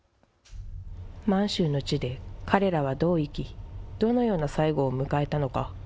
満州の地で彼らはどう生きどのような最後を迎えたのか。